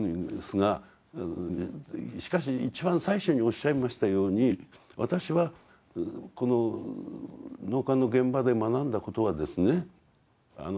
しかし一番最初におっしゃいましたように私はこの納棺の現場で学んだことはですね